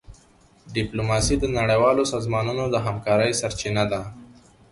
ډيپلوماسي د نړیوالو سازمانونو د همکارۍ سرچینه ده.